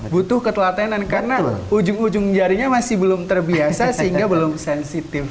butuh ketelatenan karena ujung ujung jarinya masih belum terbiasa sehingga belum sensitif